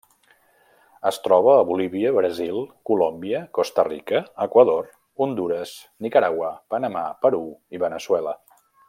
Es troba a Bolívia, Brasil, Colòmbia, Costa Rica, Equador, Hondures, Nicaragua, Panamà, Perú, i Veneçuela.